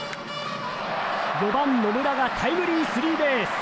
４番、野村がタイムリースリーベース。